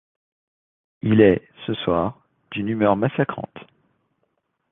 Il est, ce soir, d’une humeur massacrante.